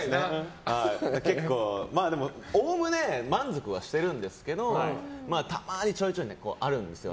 おおむね満足はしてるんですけどたまにちょいちょいあるんですよ。